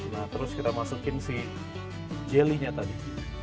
nah terus kita masukin si jelly nya tadi